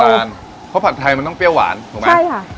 ทานเพราะผัดไทยมันต้องเปรี้ยวหวานถูกไหมใช่ค่ะ